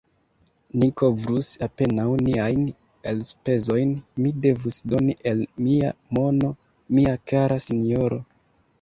Ni kovrus apenaŭ niajn elspezojn; mi devus doni el mia mono, mia kara sinjoro!